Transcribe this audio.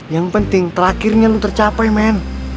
yang penting terakhirnya lu tercapai men